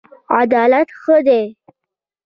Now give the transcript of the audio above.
عدالت ښه دی.